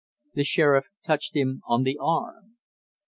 The sheriff touched him on the arm.